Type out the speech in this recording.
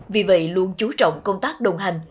vì vậy luôn chú trọng công tác đồng hành